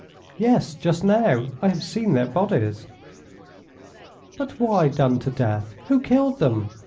"Yes, just now. I have seen their bodies." "But why done to death? Who killed them?"